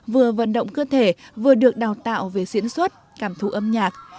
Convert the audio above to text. vừa vận động cơ thể vừa được đào tạo về diễn xuất cảm thú âm nhạc